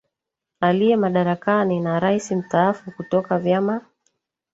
aliye madarakani na Rais Mstaafu kutoka vyama